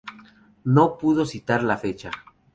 No puedo citar la fecha.